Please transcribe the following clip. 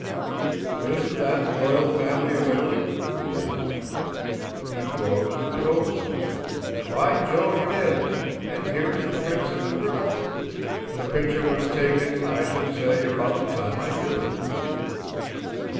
"Isn't that the royal family of Italy?" he asked. He rose and went over to it. "By Jove, it is, and here is the prince in the group. The picture was taken, I should say, about the time I knew him."